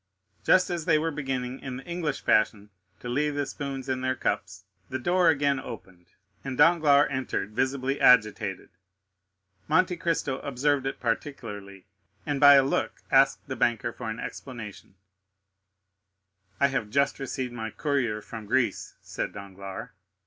Just as they were beginning, in the English fashion, to leave the spoons in their cups, the door again opened and Danglars entered, visibly agitated. Monte Cristo observed it particularly, and by a look asked the banker for an explanation. "I have just received my courier from Greece," said Danglars.